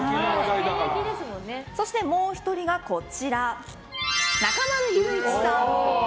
そして、もう１人が中丸雄一さん。